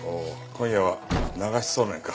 今夜は流しそうめんか。